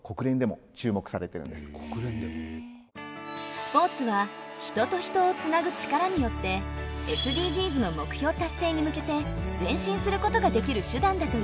スポーツは人と人をつなぐ力によってＳＤＧｓの目標達成に向けて前進することができる手段だといいます。